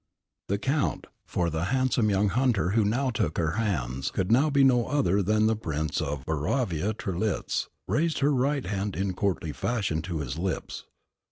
The Count for the handsome young hunter who now took her hands could now be no other than the Prince of Boravia Trelitz raised her right hand in courtly fashion to his lips.